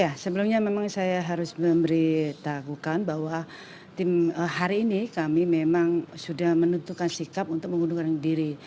ya sebelumnya memang saya harus memberitahukan bahwa tim hari ini kami memang sudah menentukan sikap untuk mengundurkan diri